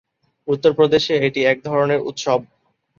উত্তর প্রদেশে এটি এক ধরনের উৎসব।